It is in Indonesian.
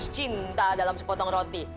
cinta dalam sepotong roti